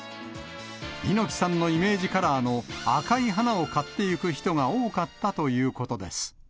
猪木さんのイメージカラーの赤い花を買っていく人が多かったということです。